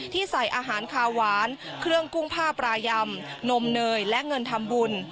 ใส่อาหารคาหวานเครื่องกุ้งผ้าปลายำนมเนยและเงินทำบุญ